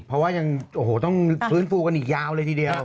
เพราะว่ายังโอ้โหต้องฟื้นฟูกันอีกยาวเลยทีเดียว